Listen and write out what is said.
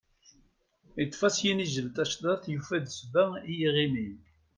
Iṭṭef-as unajjel tacḍaḍt, yufa-d sseba i yiɣimi.